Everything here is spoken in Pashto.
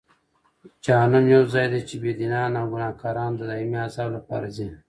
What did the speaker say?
جهنم یو ځای دی چې بېدینان او ګناهکاران د دایمي عذاب لپاره ځي.